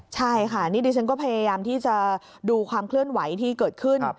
ใช่ค่ะนี่ดิฉันก็พยายามที่จะดูความเคลื่อนไหวที่เกิดขึ้น